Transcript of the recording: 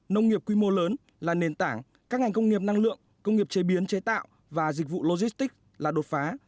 nông nghiệp quy mô lớn là nền tảng các ngành công nghiệp năng lượng công nghiệp chế biến chế tạo và dịch vụ logistics là đột phá